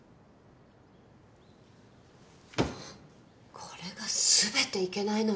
これが全ていけないのよ。